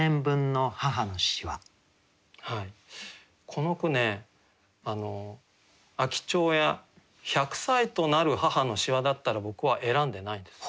この句ね「秋蝶や百歳となる母の皺」だったら僕は選んでないんです。